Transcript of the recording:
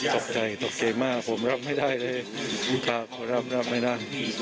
ตกใจตกใจมากผมรับไม่ได้เลยลูกค้าเขารับไม่ได้